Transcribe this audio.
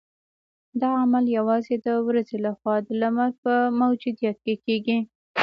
دا عمل یوازې د ورځې لخوا د لمر په موجودیت کې کیږي